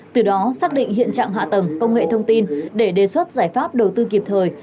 từ đó xác định hiện trạng hạ tầng công nghệ thông tin để đề xuất giải pháp đầu tư kịp thời